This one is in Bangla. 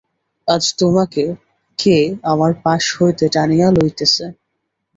আজ তোমাকে কে আমার পাশ হইতে টানিয়া লইতেছে?